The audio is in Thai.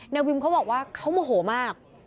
นายวิมเขาบอกว่าเขาโมโหมาก